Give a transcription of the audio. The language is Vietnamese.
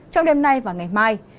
trong đêm nay và ngày mai